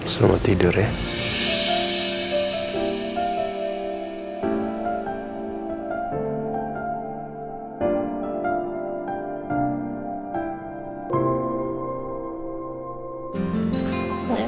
selamat tidur ya